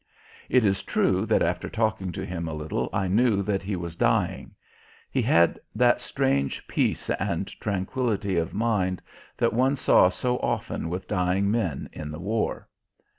It is true that after talking to him a little I knew that he was dying. He had that strange peace and tranquillity of mind that one saw so often with dying men in the war.